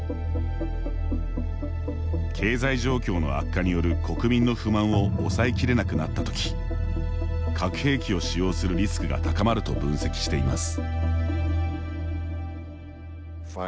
経済状況の悪化による国民の不満を抑えきれなくなったとき核兵器を使用するリスクが高まると分析しています。